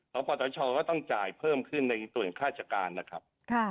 สปตชก็ต้องจ่ายเพิ่มขึ้นในส่วนข้าราชการนะครับ